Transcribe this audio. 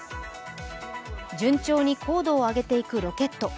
順調に高度を上げていくロケット。